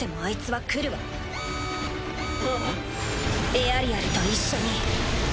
エアリアルと一緒に自分で。